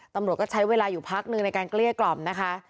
ตำรวจก็ใช้เวลาอยู่พักหนึ่งในการเกลี้ยกล่อมนะคะ